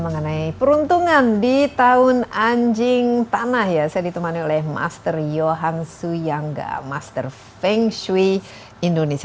mengenai peruntungan di tahun anjing tanah ya saya ditemani oleh master johan suyangga master feng shui indonesia